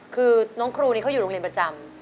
คือน้องครูนี้เขาอยู่โรงเรียนประจำ